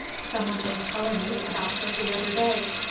Someone was telling me about her the other day.